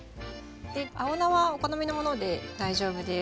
で青菜はお好みのもので大丈夫です。